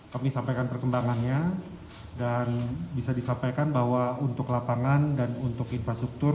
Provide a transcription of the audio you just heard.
kami sampaikan perkembangannya dan bisa disampaikan bahwa untuk lapangan dan untuk infrastruktur